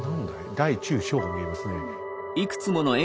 大中小が見えますね。